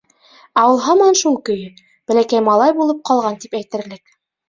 Ә ул һаман шул көйө, бәләкәй малай булып ҡалған тип әйтерлек.